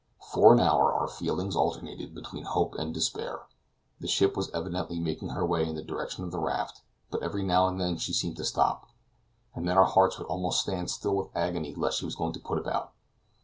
For an hour our feelings alternated between hope and despair. The ship was evidently making her way in the direction of the raft, but every now and then she seemed to stop, and then our hearts would almost stand still with agony lest she was going to put about.